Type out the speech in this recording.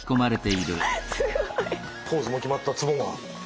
ポーズも決まったツボマン。